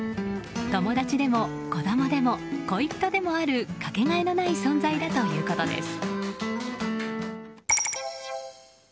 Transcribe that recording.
友達でも子供でも恋人でもあるかけがえのない存在だということです。